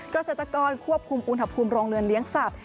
เกษตรกรควบคุมอุณหภูมิโรงเรือนเลี้ยงสัตว